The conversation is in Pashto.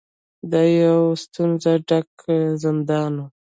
دا یو ډیر ستونزو ډک زندان و.